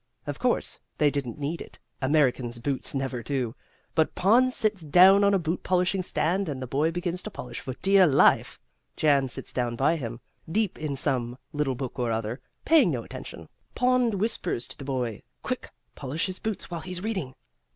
Of course, they didn't need it Americans' boots never do but Pond sits down on a boot polishing stand and the boy begins to polish for dear life. Jan sits down by him, deep in some little book or other, paying no attention. Pond whispers to the boy, 'Quick, polish his boots while he's reading.'